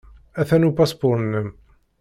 Atan upaspuṛ-nnem.